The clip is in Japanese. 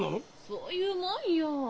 そういうもんよ。